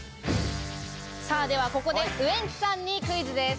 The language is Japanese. ではここで、ウエンツさんにクイズです。